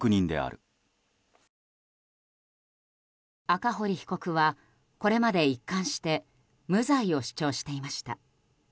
赤堀被告は、これまで一貫して無罪を主張していました。